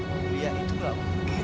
emang dia itu gak mungkin